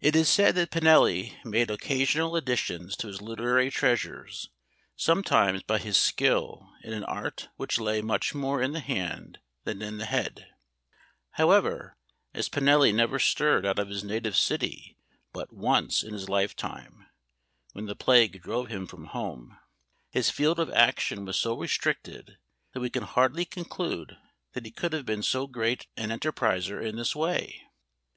It is said that Pinelli made occasional additions to his literary treasures sometimes by his skill in an art which lay much more in the hand than in the head: however, as Pinelli never stirred out of his native city but once in his lifetime, when the plague drove him from home, his field of action was so restricted, that we can hardly conclude that he could have been so great an enterpriser in this way.